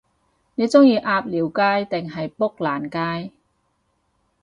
你鍾意鴨寮街定係砵蘭街？